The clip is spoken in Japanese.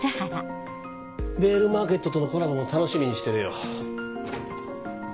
ヴェールマーケットとのコラボも楽しみにしてるよ。